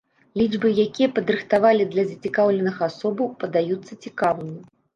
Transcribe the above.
Лічбы, якія падрыхтавалі для зацікаўленых асобаў, падаюцца цікавымі.